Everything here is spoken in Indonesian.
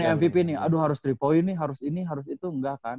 kayak mvp nih aduh harus tiga point nih harus ini harus itu enggak kan